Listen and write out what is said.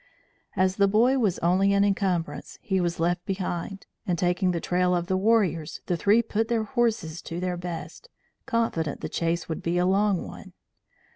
As the boy was only an incumbrance, he was left behind, and, taking the trail of the warriors, the three put their horses to their best, confident the chase would be a long one.